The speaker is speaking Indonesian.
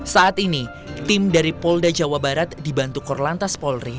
saat ini tim dari polda jawa barat di bantukor lantas polri